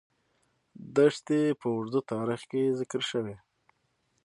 دښتې په اوږده تاریخ کې ذکر شوې.